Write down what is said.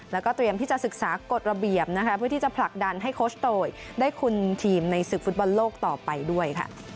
แล้วก็เตรียมที่จะศึกษากฎระเบียบนะคะเพื่อที่จะผลักดันให้โคชโตยได้คุมทีมในศึกฟุตบอลโลกต่อไปด้วยค่ะ